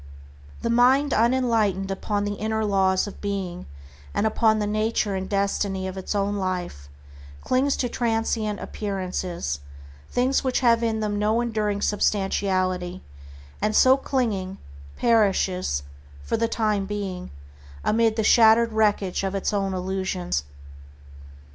The mind unenlightened upon the inner laws of being, and upon the nature and destiny of its own life, clings to transient appearances, things which have in them no enduring substantiality, and so clinging, perishes, for the time being, amid the shattered wreckage of its own illusions.